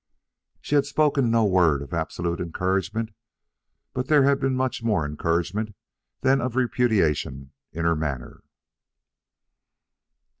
She had spoken no word of absolute encouragement, but there had much more of encouragement than of repudiation in her manner.